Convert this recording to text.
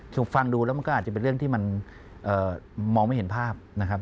คือฟังดูแล้วมันก็อาจจะเป็นเรื่องที่มันมองไม่เห็นภาพนะครับ